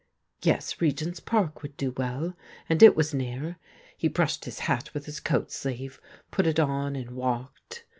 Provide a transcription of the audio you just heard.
Yes, Regent's Park would do well, and it was near. He brushed his hat with his coat sleeve, put it on, and walked.